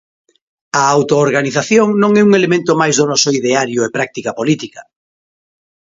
A autoorganización non é un elemento máis do noso ideario e práctica política.